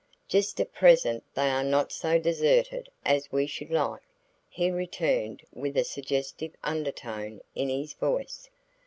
"Just at present they are not so deserted as we should like," he returned with a suggestive undertone in his voice.